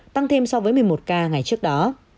tăng thêm so với một mươi một ca ngày trước đó